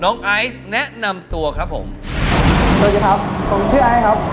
ไอซ์แนะนำตัวครับผมสวัสดีครับผมเชื่อไอครับ